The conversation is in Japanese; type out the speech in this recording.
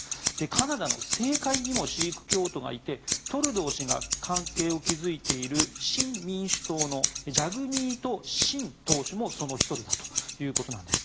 カナダの政界にもシーク教徒がいてトルドー氏が関係を築いている新民主党のジャグミート・シン党首もその１人だということなんです。